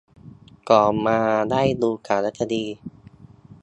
ก่อนมาได้ดูสารคดี